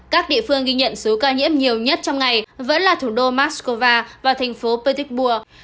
các địa phương ghi nhận số ca nhiễm nhiều nhất trong ngày vẫn là thủ đô moscow và thành phố petersburg